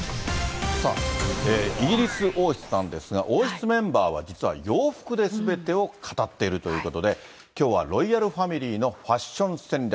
イギリス王室なんですが、王室メンバーは実は洋服ですべてを語っているということで、きょうはロイヤルファミリーのファッション戦略。